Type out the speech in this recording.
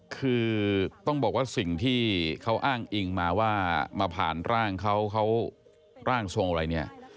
คือต้องบอกว่าสิ่งที่เขาอ้างอิงมาว่ามาผ่านร่างเขาเขาร่างทรงอะไรเนี่ย